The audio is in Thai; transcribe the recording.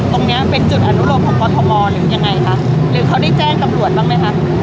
ตรงเนี้ยเป็นจุดอนุโลมของกรทมหรือยังไงคะหรือเขาได้แจ้งตำรวจบ้างไหมคะ